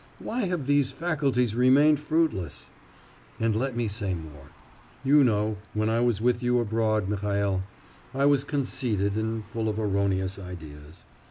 Why have these faculties remained fruitless? And let me say more; you know, when I was with you abroad, Mihail, I was conceited and full of erroneous ideas....